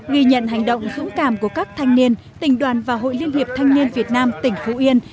ghi nhận hành động dũng cảm của các thanh niên tỉnh đoàn và hội liên hiệp thanh niên việt nam tỉnh phú yên